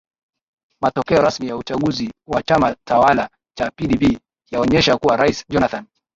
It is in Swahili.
matokeo rasmi ya uchaguzi wa chama tawala cha pdb yaonyesha kuwa rais jonathan